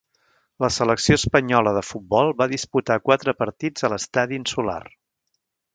La selecció espanyola de futbol va disputar quatre partits a l'Estadi Insular.